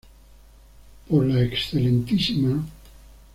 Por la Excma.